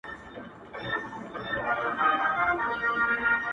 دغه رنگينه او حسينه سپوږمۍ.